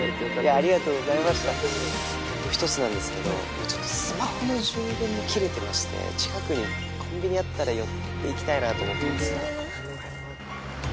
あと一つなんですけど今ちょっとスマホの充電も切れてまして近くにコンビニあったら寄っていきたいなと思ってるんですが。